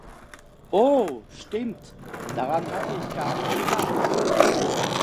Oh, stimmt, daran hatte ich gar nicht gedacht.